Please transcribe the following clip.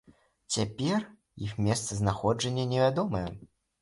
Цяпер іх месцазнаходжанне невядомае.